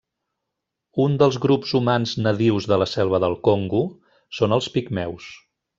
Un dels grups humans nadius de la selva del Congo són els pigmeus.